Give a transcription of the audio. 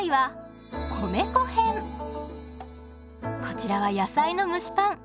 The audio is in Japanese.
こちらは野菜の蒸しパン。